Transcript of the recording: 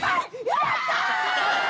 やった！